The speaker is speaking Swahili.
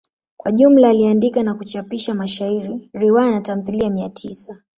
Kwa jumla aliandika na kuchapisha mashairi, riwaya na tamthilia mia tisa.